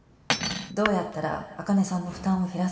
どうやったら茜さんの負担を減らせるか。